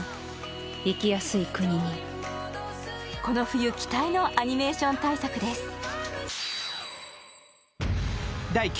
この冬、期待のアニメーション大作です。